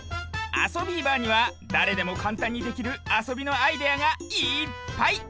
「あそビーバー」にはだれでもかんたんにできるあそびのアイデアがいっぱい！